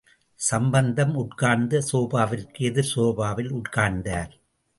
சம்பந்தம் உட்கார்ந்த சோபாவிற்கு எதிர் சோபாவில் உட்கார்ந்தார்.